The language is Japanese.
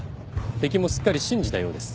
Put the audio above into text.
敵もすっかり信じたようです。